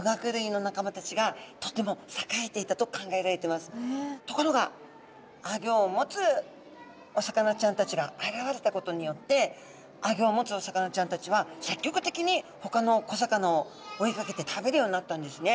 昔々のところがアギョを持つお魚ちゃんたちが現れたことによってアギョを持つお魚ちゃんたちは積極的にほかの小魚を追いかけて食べるようになったんですね。